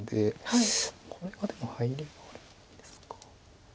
これがでも入ればあるんですか。